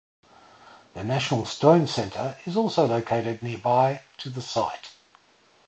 The National Stone Centre is also located nearby to the site.